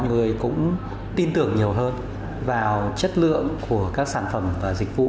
người cũng tin tưởng nhiều hơn vào chất lượng của các sản phẩm và dịch vụ